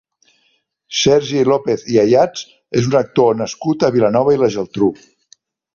Sergi López i Ayats és un actor nascut a Vilanova i la Geltrú.